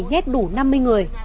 nhét đủ năm mươi người